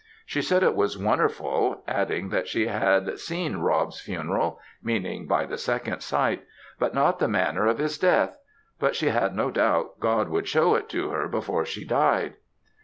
She said it was "wonderfu';" adding, that she had "seen" Rob's funeral, meaning by the second sight "but not the manner of his death; but she had no doubt God would shew it her before she died."